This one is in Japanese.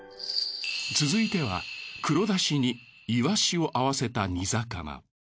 続いては黒だしにイワシを合わせた煮魚。